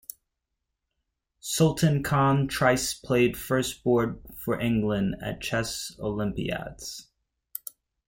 Sultan Khan thrice played first board for England at Chess Olympiads.